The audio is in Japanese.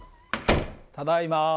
ただいま。